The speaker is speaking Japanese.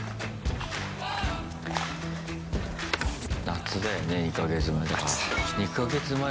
夏だよね、２か月前。